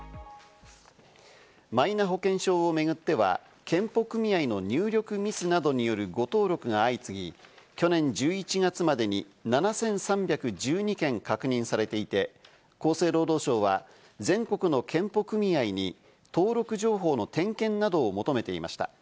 マイナ保険証を巡っては、健保組合の入力ミスなどによる誤登録が相次ぎ、去年１１月までに７３１２件確認されていて、厚生労働省は全国の健保組合に登録情報の点検などを求めていました。